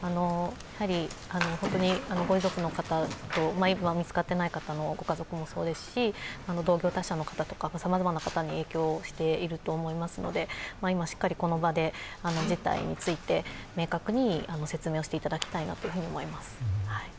本当にご遺族の方、今見つかっていない方のご家族もそうですし、同業他社の方さまざまな方に影響していると思いますので今、しっかりこの場で事態について明確に説明していただきたいと思います。